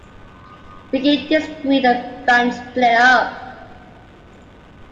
Vicki disagreed and the band split up.